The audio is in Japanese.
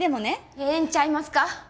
ええんちゃいますか？